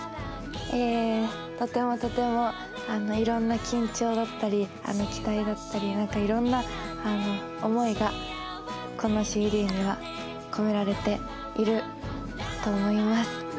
えとてもとてもいろんな緊張だったり機会だったりいろんな思いがこのＣＤには込められていると思います。